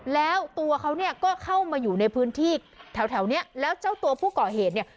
แล้วตัวเขาเนี่ยก็เข้ามาอยู่ในพื้นที่แถวแถวเนี้ยแล้วเจ้าตัวผู้ก่อเหตุเนี่ย